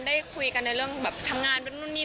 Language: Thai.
ได้คุยกันในเรื่องแบบทำงานนั่นอะไรอย่างงี้